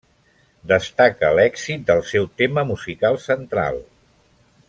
Destaca l'èxit del seu tema musical central.